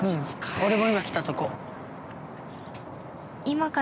俺も今来たとこ。